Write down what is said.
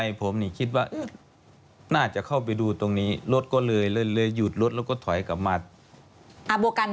อเรนนี่แหละเป็นคนถอยรถกลับมา